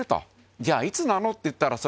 じゃあいつなの？と言ったら修譴